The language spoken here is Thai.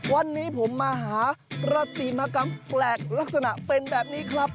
วันนี้ผมมาหาประติมากรรมแปลกลักษณะเป็นแบบนี้ครับ